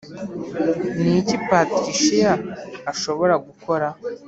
Ni iki Patricia ashobora gukora